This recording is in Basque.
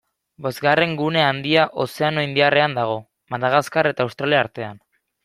Bosgarren gune handia Ozeano Indiarrean dago, Madagaskar eta Australia artean.